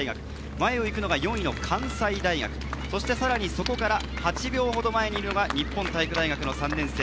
前を行くのが４位の関西大学、そしてさらに、そこから８秒ほど前にいるのが日本体育大学の３年生。